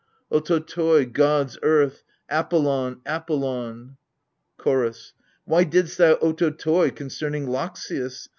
Otototoi, Gods, Earth — Apollon, Apollon ! CHORDS. Why didst thou " ototoi " concerning Loxias